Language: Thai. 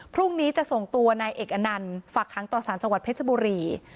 พรุ่งนี้จะส่งตัวนายเอกอนันต์ฝากค้างต่อสารจังหวัดเพชรบุรี